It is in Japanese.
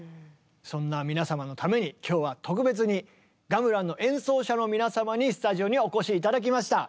そんな皆様のために今日は特別にガムランの演奏者の皆様にスタジオにお越し頂きました。